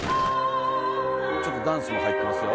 ちょっとダンスも入ってますよ。